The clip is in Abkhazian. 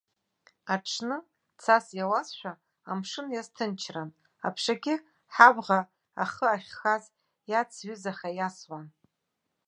Аҽны, цас иауазшәа, амшын иазҭынчран, аԥшагьы ҳаӷба ахы ахьхаз иацҩызаха иасуан.